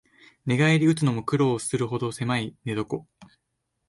寝返りうつのも苦労するほどせまい寝床